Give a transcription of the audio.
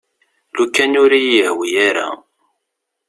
Lukan ur iyi-yehwi ara.